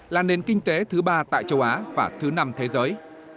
là nền kinh tế thứ ba tại châu á và thứ năm thế giới